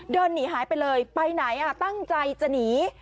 เดินหนีหายไปเลยไปไหนตั้งใจจะหนี